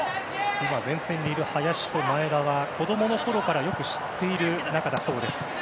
今、前線にいる林と前田は子供のころからよく知っている仲だそうです。